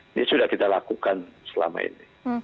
ini sudah kita lakukan selama ini